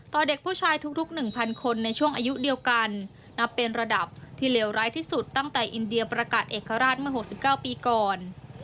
เด็กผู้ชายทุก๑๐๐คนในช่วงอายุเดียวกันนับเป็นระดับที่เลวร้ายที่สุดตั้งแต่อินเดียประกาศเอกราชเมื่อ๖๙ปีก่อน